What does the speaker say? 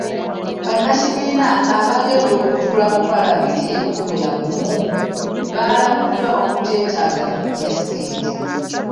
Bannakibiina abagenda okutuula mu Paalamenti y’ekkumi na gumu, balabuddwa obuteetantala kulya ssente.